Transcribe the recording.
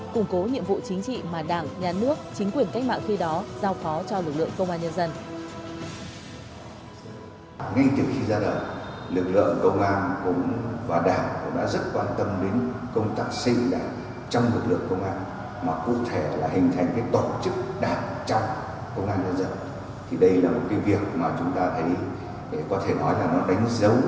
củng cố nhiệm vụ chính trị mà đảng nhà nước chính quyền cách mạng khi đó giao phó cho lực lượng công an nhân dân